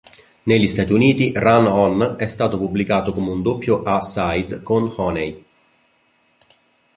Negli Stati Uniti, "Run On" è stato pubblicato come un doppio A-side con "Honey".